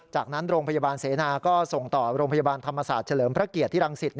จากนั้นโรงพยาบาลเสนาก็ส่งต่อโรงพยาบาลธรรมศาสตร์เฉลิมพระเกียรติที่รังสิต